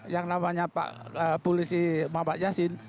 yang namanya pak polisi muhammad yasin